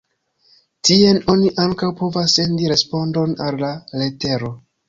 Tien oni ankaŭ povas sendi respondon al la letero.